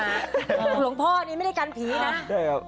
หลวงพ่อนี้ไม่ได้กันผีนะ